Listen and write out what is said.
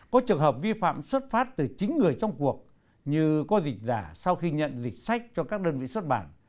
có trường hợp vi phạm xuất phát từ chính người trong cuộc như có dịch giả sau khi nhận dịch sách cho các đơn vị xuất bản